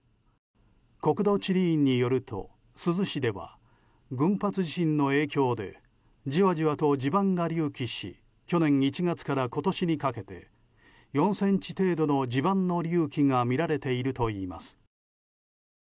国土地理院によると珠洲市では群発地震の影響でじわじわと地盤が隆起し去年１月から今年にかけて４ｃｍ程度の地盤の隆起が見られているといいます。